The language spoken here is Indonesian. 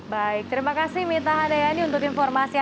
baik terima kasih mita handayani untuk informasi